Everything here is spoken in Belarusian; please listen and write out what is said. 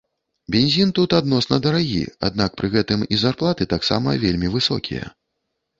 Бензін тут адносна дарагі, аднак, пры гэтым і зарплаты таксама вельмі высокія.